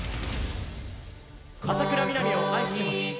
「浅倉南を愛しています。